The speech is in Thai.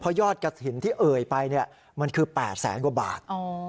เพราะยอดกฐินที่เอ่ยไปเนี่ยมันคือ๘๐๐๐๐๐กว่าบาท